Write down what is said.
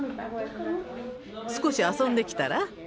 少し遊んできたら？